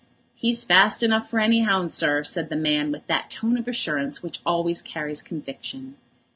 "He's fast enough for any 'ounds, sir," said the man with that tone of assurance which always carries conviction.